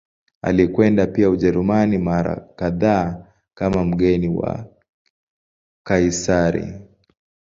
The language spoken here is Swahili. Alikwenda pia Ujerumani mara kadhaa kama mgeni wa Kaisari.